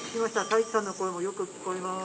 太一さんの声もよく聞こえます。